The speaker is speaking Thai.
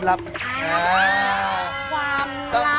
ความลับ